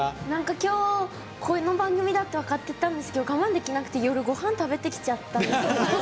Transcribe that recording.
今日、この番組だって分かってたんですけど我慢できなくて夜ごはん食べてきちゃったんですよ。